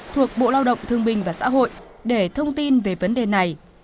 thuộc bộ lao động thương bình và xã hội để thông tin về vấn đề này